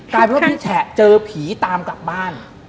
กลายเป็นว่าพี่แฉะเจอผีตามกลับบ้าน